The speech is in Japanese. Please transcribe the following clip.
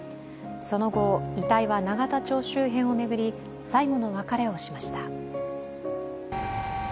その後、遺体は永田町周辺を巡り、最後の別れをしました。